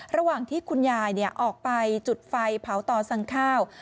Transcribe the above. ระหว่างที่คุณยายออกไปจุดไฟเผาต่อสั่งข้าว